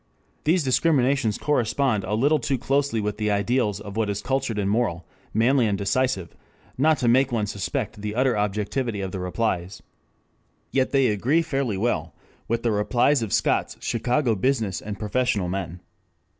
These discriminations correspond a little too closely with the ideals of what is cultured and moral, manly and decisive, not to make one suspect the utter objectivity of the replies. Yet they agree fairly well with the replies of Scott's Chicago business and professional men.